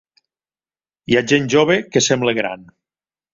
Hi ha gent jove que sembla gran.